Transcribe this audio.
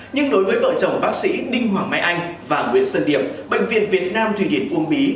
nhưng đối với vợ chồng bác sĩ đinh hoàng mai anh và nguyễn sơn điệp bệnh viện việt nam thụy điển uông bí